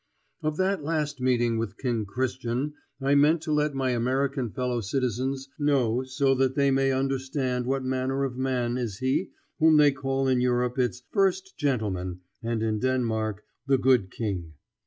Of that last meeting with King Christian I mean to let my American fellow citizens know so that they may understand what manner of man is he whom they call in Europe its "first gentleman" and in Denmark "the good King."